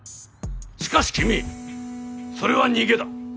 しかし君それは逃げだ。